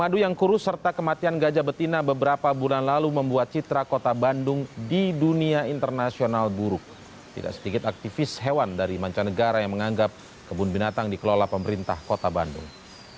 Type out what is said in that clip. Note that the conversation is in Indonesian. di dunia internasional buruk tidak sedikit aktivis hewan dari mancanegara yang menganggap kebun binatang dikelola pemerintah kota bandung